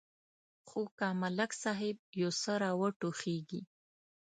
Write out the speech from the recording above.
خو که ملک صاحب یو څه را وټوخېږي.